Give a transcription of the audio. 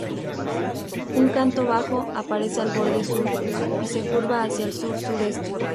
Un canto bajo aparece al borde sur, y se curva hacia el sur-sureste.